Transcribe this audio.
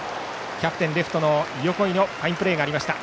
キャプテンのレフト横井のファインプレーがありました。